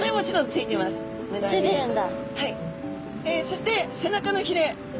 そして背中のひれ